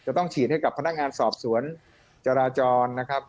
จะต้องฉีดให้พนักงานอาจารย์สอบสวนจาราจร